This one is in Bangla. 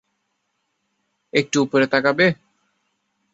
একটু উপরে তাকাবে?